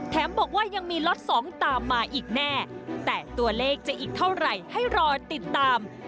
บอกว่ายังมีล็อตสองตามมาอีกแน่แต่ตัวเลขจะอีกเท่าไหร่ให้รอติดตาม